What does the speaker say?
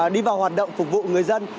đi vào hoạt động phục vụ người dân